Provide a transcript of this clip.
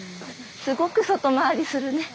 すごく外回りするね。